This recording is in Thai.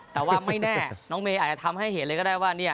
แต่ว่าไม่แน่น้องเมย์อาจจะทำให้เห็นเลยก็ได้ว่า